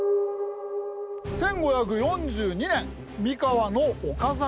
１５４２年三河の岡崎城で誕生。